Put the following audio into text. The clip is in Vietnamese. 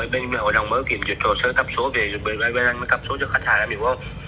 bên hội đồng mới kiểm chuẩn cho hồ sơ thắp số về bên anh mới thắp số cho khách hàng em hiểu không